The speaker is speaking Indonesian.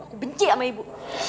aku benci sama ibu